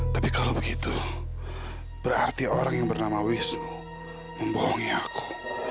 tapi kalau begitu berarti orang yang bernama wisu membohongi aku